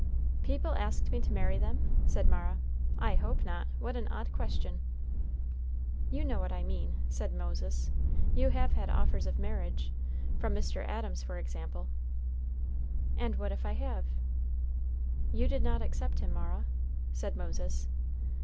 "People asked me to marry them!" said Mara. "I hope not. What an odd question!" "You know what I mean," said Moses; "you have had offers of marriage from Mr. Adams, for example." "And what if I have?" "You did not accept him, Mara?" said Moses.